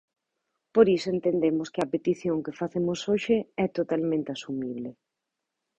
Por iso entendemos que a petición que facemos hoxe é totalmente asumible.